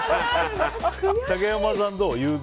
竹山さん、どう？